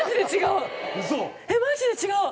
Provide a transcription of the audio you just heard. えっマジで違う！